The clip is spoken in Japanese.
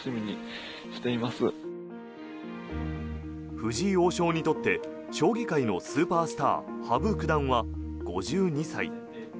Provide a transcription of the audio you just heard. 藤井王将にとって将棋界のスーパースター羽生九段は５２歳。